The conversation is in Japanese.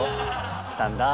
来たんだ。